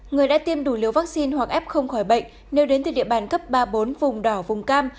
người đã tiêm đủ liều vaccine hoặc f không khỏi bệnh nếu đến từ địa bàn cấp ba bốn vùng đỏ vùng cam